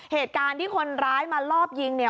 เหตุการณ์ที่คนร้ายมาลอบยิงเนี่ย